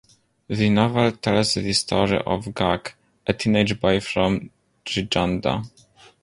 The novel tells the story of Gack, a teenage boy from Giganda.